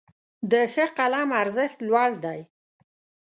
د ښه قلم ارزښت لوړ دی.